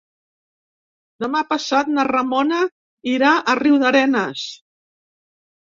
Demà passat na Ramona irà a Riudarenes.